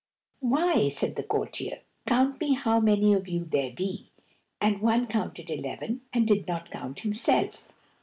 "Why," said the courtier, "count me how many of you there be," and one counted eleven and did not count himself.